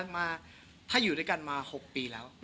ไม่มี